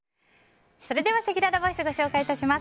それではせきららボイスをご紹介します。